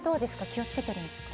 気を付けてるんですか？